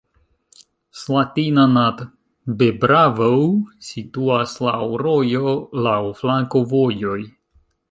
Slatina nad Bebravou situas laŭ rojo, laŭ flankovojoj.